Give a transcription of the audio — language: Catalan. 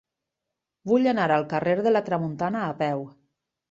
Vull anar al carrer de la Tramuntana a peu.